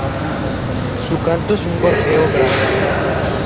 Su canto es un gorjeo grave.